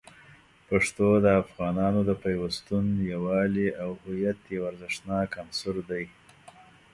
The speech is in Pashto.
پښتو د افغانانو د پیوستون، یووالي، او هویت یو ارزښتناک عنصر دی.